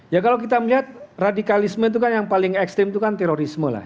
ya kalau kita melihat radikalisme itu kan yang paling ekstrim itu kan terorisme lah